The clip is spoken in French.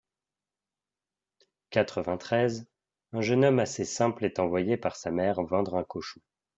quatre-vingt-treize), un jeune homme assez simple est envoyé par sa mère vendre un cochon.